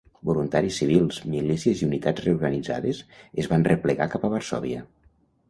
Voluntaris civils, milícies i unitats reorganitzades es van replegar cap a Varsòvia.